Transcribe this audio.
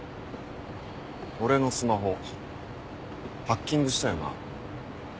俺のスマホハッキングしたよな？